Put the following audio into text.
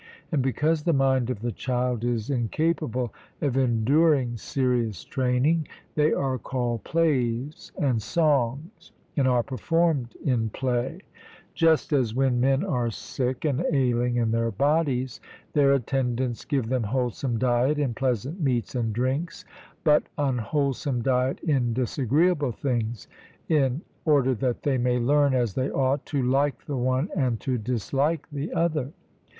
And, because the mind of the child is incapable of enduring serious training, they are called plays and songs, and are performed in play; just as when men are sick and ailing in their bodies, their attendants give them wholesome diet in pleasant meats and drinks, but unwholesome diet in disagreeable things, in order that they may learn, as they ought, to like the one, and to dislike the other.